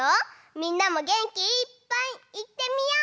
みんなもげんきいっぱいいってみよう！